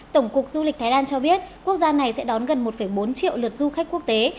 tổng cục du lịch thái lan cho biết quốc gia này sẽ đón gần một bốn triệu lượt du khách quốc tế